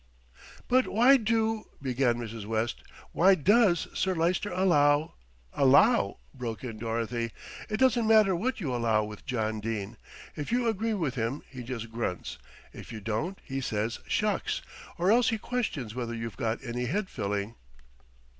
"But why do " began Mrs. West, "why does Sir Lyster allow " "Allow," broke in Dorothy. "It doesn't matter what you allow with John Dene. If you agree with him he just grunts; if you don't he says 'shucks,' or else he questions whether you've got any head filling."